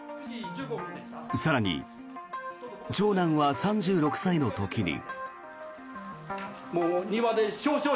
更に長男は３６歳の時に。